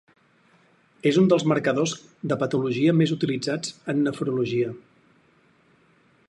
És un dels marcadors de patologia més utilitzats en nefrologia.